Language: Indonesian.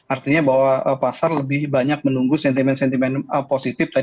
artinya bahwa pasar lebih banyak menunggu sentimen sentimen positif